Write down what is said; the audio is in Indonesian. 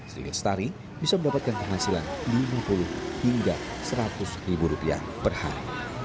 sehingga setari bisa mendapatkan penghasilan lima puluh hingga seratus ribu rupiah per hari